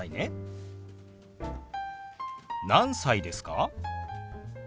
何歳ですか？